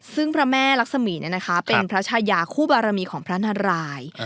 ซึ่งพระแม่ลักษมีศ์เนี่ยนะคะเป็นพระชายาคู่บารมีของพระนารายย์